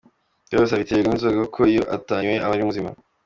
Byose abiterwa n’inzoga kuko iyo atanyoye aba ari muzima.